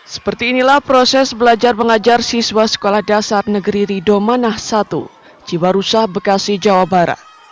seperti inilah proses belajar mengajar siswa sekolah dasar negeri ridomanah i jiwarusa bekasi jawa barat